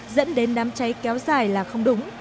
dẫn đến đám cháy kéo dài là không đúng